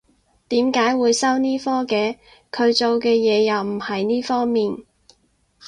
點解會收呢科嘅？佢做嘅嘢又唔係呢方面